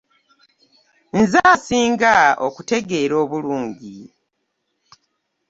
Nze asinga okukutegeera obulungi.